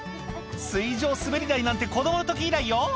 「水上滑り台なんて子供の時以来よ」